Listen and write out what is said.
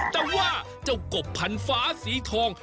แต่ว่าเจ้ากบพันฟ้าสีทอง